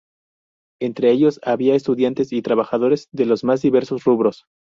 Entre ellos había estudiantes y trabajadores de los más diversos rubros.